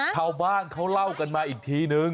ชาวบ้านเขาเล่ากันมาอีกทีนึง